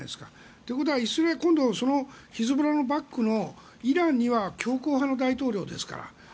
ということは、今度はヒズボラのバックのイランには強硬派の大統領ですから。